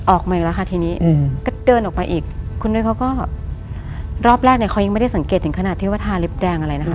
ออกมาอีกแล้วค่ะทีนี้ก็เดินออกไปอีกคุณนุ้ยเขาก็รอบแรกเนี่ยเขายังไม่ได้สังเกตถึงขนาดที่ว่าทาเล็บแดงอะไรนะคะ